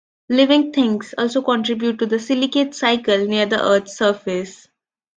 Living things also contribute to the silicate cycle near the Earth's surface.